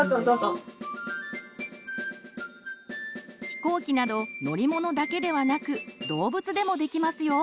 ひこうきなど乗り物だけではなく動物でもできますよ！